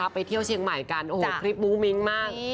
ไปเที่ยวเชียงใหม่กันโอ้โหคลิปมุ้งมิ้งมาก